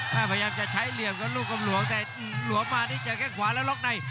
พยายามจะใช้เหลี่ยมครับลูกกำหลวงแต่หลวมมานี่เจอแค่งขวาแล้วล็อกใน